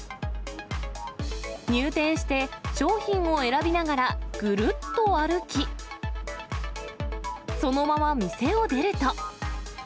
入店して、商品を選びながら、ぐるっと歩き、そのまま店を出ると。